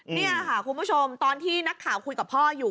นี่ค่ะคุณผู้ชมตอนที่นักข่าวคุยกับพ่ออยู่